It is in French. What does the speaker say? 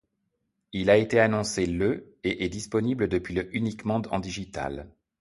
Il a été annoncé le et est disponible depuis le uniquement en digital.